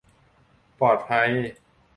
ปลอดภัย